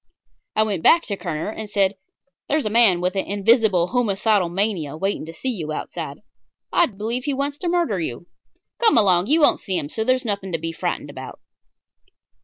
I went back to Kerner and said: "There's a man with an invisible homicidal mania waiting to see you outside. I believe he wants to murder you. Come along. You won't see him, so there's nothing to be frightened about."